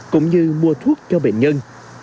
cũng như mua thuốc cho bệnh nhân